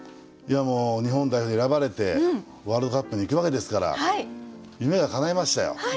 いやもう日本代表に選ばれてワールドカップに行くわけですから夢がかないましたよ。